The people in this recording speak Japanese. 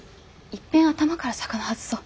いっぺん頭から魚外そう。